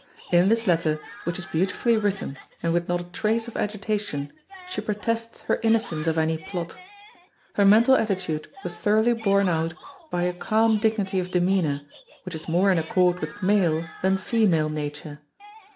In this letter which is beautifully written and with not a trace of agitation she protests her innocence of any plot. Her mental attitude was thoroughly borne out by a calm dignity of demeanour which is more in accord with male than female nature.